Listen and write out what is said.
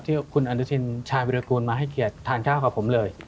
คุณอนุทินชายวิรากูลมาให้เกียรติทานข้าวกับผมเลย